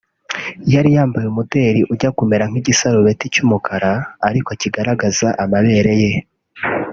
yari yambaye umudeli ujya kumera nk’igisarubeti cy’umukara ariko kigaragaza amabere ye